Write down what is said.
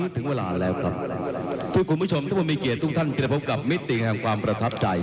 ทุกคนมีเกียรติทุ่งท่านก็กลับให้กับมิติงของครองของเพื่อพระทัพใจ